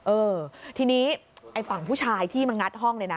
เออทีนี้ไอ้ฝั่งผู้ชายที่มางัดห้องเลยนะ